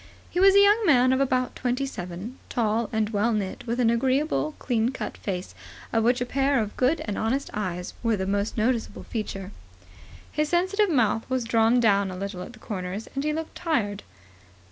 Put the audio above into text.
He was a young man of about twenty seven, tall and well knit, with an agreeable, clean cut face, of which a pair of good and honest eyes were the most noticeable feature. His sensitive mouth was drawn down a little at the corners, and he looked tired.